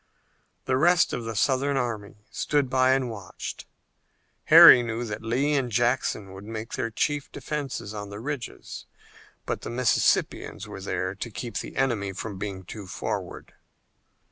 The rest of the Southern army stood by and watched. Harry knew that Lee and Jackson would make their chief defense on the ridges, but the Mississippians were there to keep the enemy from being too forward.